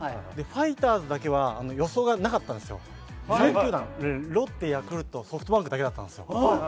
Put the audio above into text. ファイターズだけは予想がなかったんですよ、３球団、ロッテ、ヤクルト、ソフトバンクだけだったんですよ。